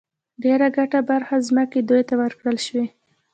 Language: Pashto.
ډېره کمه برخه ځمکې دوی ته ورکړل شوې.